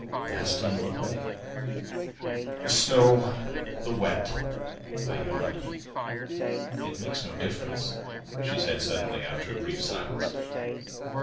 "Nasty, in what way?" "The snow, the wet." (I yawned.) "It makes no difference," she said suddenly, after a brief silence.